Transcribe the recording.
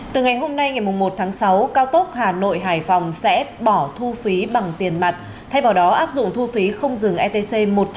từ ngày hôm nay ngày một tháng sáu cao tốc hà nội hải phòng sẽ bỏ thu phí bằng tiền mặt thay vào đó áp dụng thu phí không dừng etc một trăm năm mươi